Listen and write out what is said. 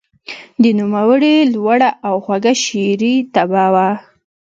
د نوموړي لوړه او خوږه شعري طبعه وه.